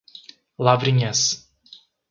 Lavrinhas